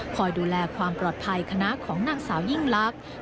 คอยดูแลความปลอดภัยคณะของนางสาวยิ่งลักษณ์